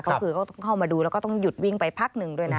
ก็คือเขาเข้ามาดูแล้วก็ต้องหยุดวิ่งไปพักหนึ่งด้วยนะ